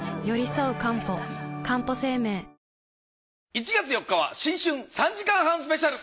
１月４日は新春３時間半スペシャル。